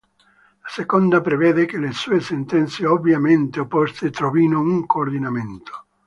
La seconda prevede che le due sentenze, ovviamente opposte, trovino un coordinamento.